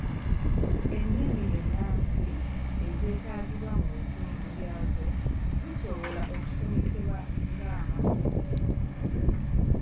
Ennimi ennansi ezeetaagibwa mu bitundu byazo zisobola okusomesebwa ng’amasomo.